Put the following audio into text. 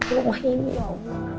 belum main mau